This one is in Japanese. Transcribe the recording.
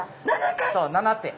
そう７手。